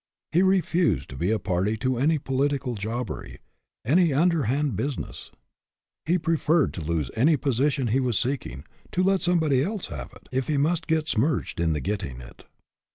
He refused to be a party to any political jobbery, any underhand business. He preferred to lose any position he was seeking, to let somebody else have it, if he must get smirched in the getting it.